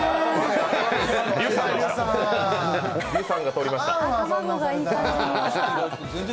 リュさんがとりました。